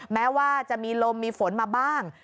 แม้ว่าจะมีลมมีฝนมาบ้าง